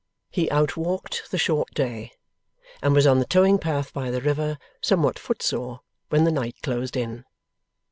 He outwalked the short day, and was on the towing path by the river, somewhat footsore, when the night closed in.